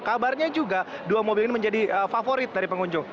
kabarnya juga dua mobil ini menjadi favorit dari pengunjung